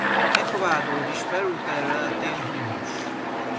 Ecuador és Peru területén honos.